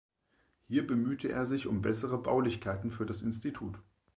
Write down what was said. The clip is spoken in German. Hier bemühte er sich um bessere Baulichkeiten für das Institut.